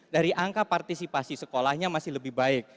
dari angka partisipasi sekolahnya masih lebih baik